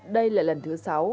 đây là lần thứ sáu